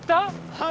はい。